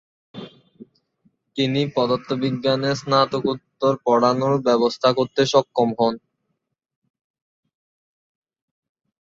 তিনি পদার্থ বিজ্ঞানে স্নাতকোত্তর পড়ানোর ব্যবস্থা করতে সক্ষম হন।